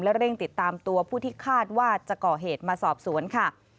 เร่งติดตามตัวผู้ที่คาดว่าจะก่อเหตุมาสอบสวนค่ะ